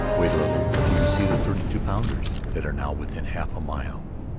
Wait a little till you see the 32 pounders that are now within half a mile.'